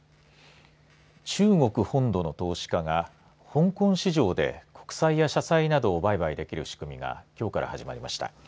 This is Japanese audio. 中国本土の投資家が香港市場で国債や社債などを売買できる仕組みがきょうから始まりました。